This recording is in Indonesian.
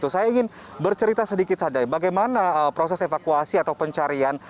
saya ingin bercerita sedikit sadai bagaimana proses evakuasi atau pencarian